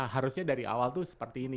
harusnya dari awal tuh seperti ini